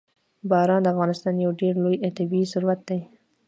باران د افغانستان یو ډېر لوی طبعي ثروت دی.